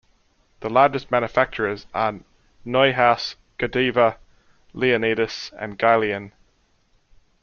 The largest manufacturers are Neuhaus, Godiva, Leonidas, and Guylian.